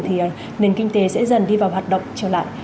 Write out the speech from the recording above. thì nền kinh tế sẽ dần đi vào hoạt động trở lại